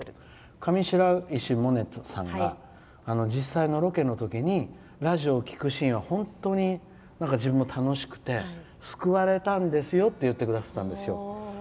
上白石萌音さんが実際のロケのときにラジオを聴くシーンは本当に、自分も楽しくて救われたんですよって言ってくださったんですよ。